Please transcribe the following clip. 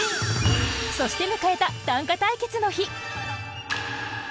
そして迎えた短歌対決の日。